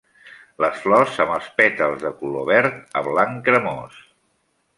Les flors amb els pètals de color verd a blanc cremós.